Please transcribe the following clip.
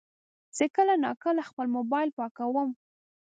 زه کله ناکله خپل موبایل پاکوم.